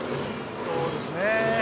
そうですね。